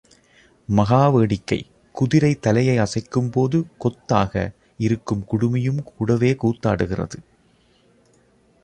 மகா வேடிக்கை. குதிரை தலையை அசைக்கும்போது கொத்தாக, இருக்கும் குடுமியும் கூடவே கூத்தாடுகிறது.